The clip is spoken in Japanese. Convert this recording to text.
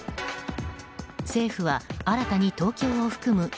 政府は新たに東京を含む